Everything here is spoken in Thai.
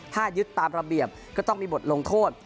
ถ้ายึดตามระเบียบก็ต้องมีบทลงโทษ